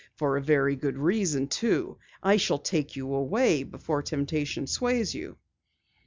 "For a very good reason too! I shall take you away before temptation sways you."